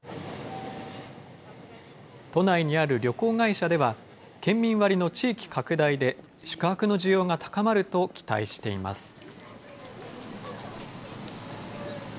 都内にある旅行会社では、県民割の地域拡大で、宿泊の需要が高まると期待しています。